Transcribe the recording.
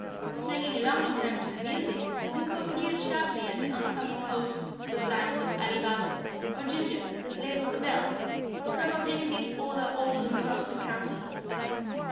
Swinging along in time to the music, Kabumpo peered sharply at the oncoming host for signs of Alibabble, or Ginger, the slave of the bell, or some of Jinnicky's other old and trusted counselors.